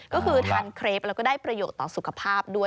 ก็คือทานเครปแล้วก็ได้ประโยชน์ต่อสุขภาพด้วย